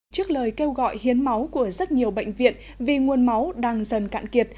trước lời kêu gọi hiến máu của rất nhiều bệnh viện vì nguồn máu đang dần cạn kiệt